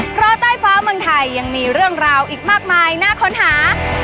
เพราะใต้ฟ้าเมืองไทยยังมีเรื่องราวอีกมากมายน่าค้นหา